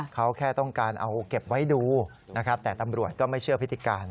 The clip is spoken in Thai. เขาแค่ต้องการเอาเก็บไว้ดูนะครับแต่ตำรวจก็ไม่เชื่อพฤติการ